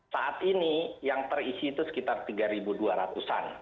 saat ini yang terisi itu sekitar tiga dua ratus an